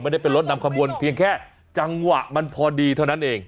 ได้เป็นรถนำขบวนเพียงแค่จังหวะมันพอดีเท่านั้นเอง